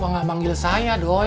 kenapa gak panggil saya doi